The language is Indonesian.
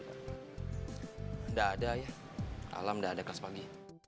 tidak ada ya alam tidak ada kas pagi